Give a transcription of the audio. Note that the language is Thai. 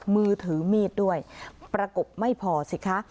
มือถือมีดด้วยประกบไม่พอสิคะ